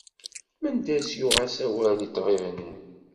Mendas yuɣ-as awal i ṭṭbib-nn.